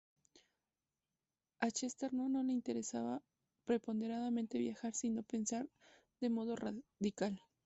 A Chesterton no le interesaba preponderantemente viajar, sino pensar de modo radical.